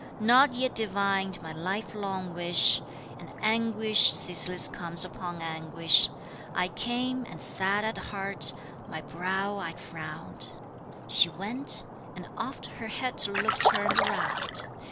not yet divined my lifelong wish, And anguish ceaseless comes upon anguish I came, and sad at heart, my brow I frowned; She went, and oft her head to look turned round.